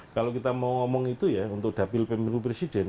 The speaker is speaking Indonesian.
kalau kita mau ngomong itu ya untuk dapil pemilu presiden